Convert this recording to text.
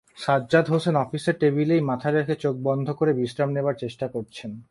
সাজ্জাদ হোসেন অফিসের টেবিলেই মাথা রেখে চোখ বন্ধ করে বিশ্রাম নেবার চেষ্টা করছেন।